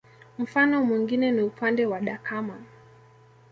Mfano mwingine ni upande wa Dakama